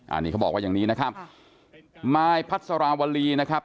อันนี้เขาบอกว่าอย่างนี้นะครับนายพัสราวรีนะครับ